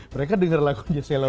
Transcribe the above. mereka dengar lagunya ceylon tujuh